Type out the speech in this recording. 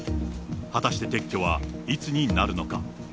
果たして撤去はいつになるのか。